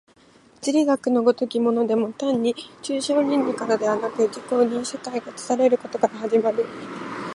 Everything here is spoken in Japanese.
物理学の如きものでも単に抽象論理からではなく、自己に世界が映されることから始まる。